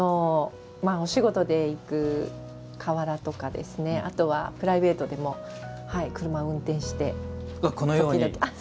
お仕事で行く河原とかあとはプライベートでも車を運転して、時々。